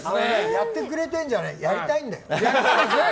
やってくれてんじゃないやりたいんだよ。